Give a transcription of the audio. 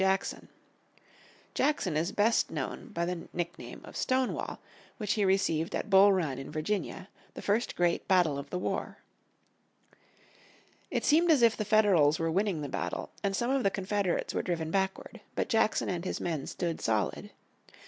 Jackson. Jackson is best known by the nickname of Stonewall, which he received at Bull Run in West Virginia, the first great battle of the war. It seemed as if the Federals were winning the battle, and some of the Confederates were driven backward. But Jackson and his men stood solid.